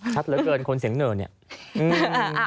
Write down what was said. ชัดเหลือเกินคนเสียงเหน่อเนี่ย